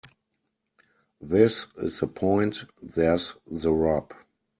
This is the point. There's the rub.